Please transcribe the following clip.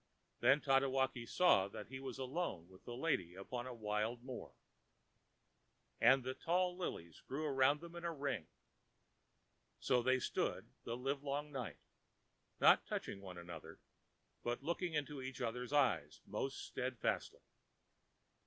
ã Then Tatewaki saw that he was alone with the lady upon the wild moor. And the tall lilies grew about them in a ring. So they stood the live long night, not touching one another but looking into each otherãs eyes most steadfastly.